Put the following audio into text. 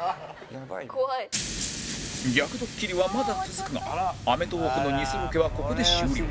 「怖い」逆ドッキリはまだ続くが『アメトーーク』の偽ロケはここで終了